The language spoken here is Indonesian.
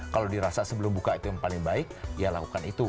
kalau dirasa sebelum buka itu yang paling baik ya lakukan itu